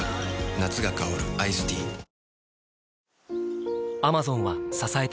夏が香るアイスティーよしっ！